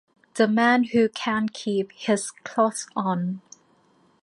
The Man Who Can't Keep His Clothes On'.